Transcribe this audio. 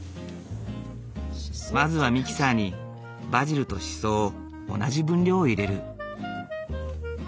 まずはミキサーにバジルとシソを同じ分量入れる。